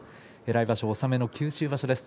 来場所は納めの九州場所です。